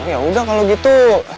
ya udah kalau gitu